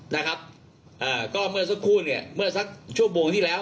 นะครับเอ่อก็เมื่อสักครู่เนี่ยเมื่อสักชั่วโมงที่แล้ว